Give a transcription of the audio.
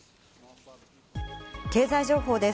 経済情報です。